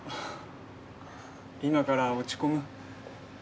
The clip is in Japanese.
今から落ち込む？